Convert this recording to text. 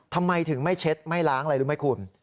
ทำไมถึงไม่เช็ดไม่ล้างอะไรรู้ไหมคุณ